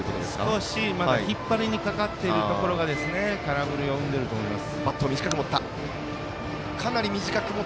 少し引っ張りにかかっているところが空振りを生んでいると思います。